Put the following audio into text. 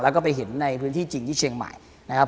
แล้วก็ไปเห็นในพื้นที่จริงที่เชียงใหม่นะครับ